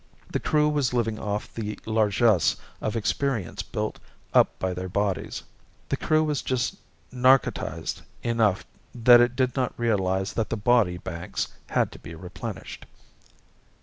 The Crew was living off the largesse of experience built up by their bodies. The Crew was just narcotized enough that it did not realize that the body banks had to be replenished.